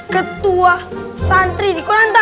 ketua santri di konanta